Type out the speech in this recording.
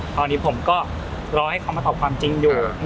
ตอนนี้ผมก็รอให้เขามาตอบความจริงอยู่